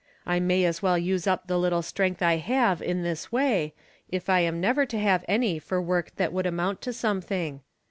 I may as well use up the little strength I have in this way, if I am never to have any for work that would amount to something.